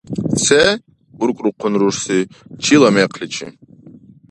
— Се?! — уркӀрухъун рурси. — Чила мекъличи?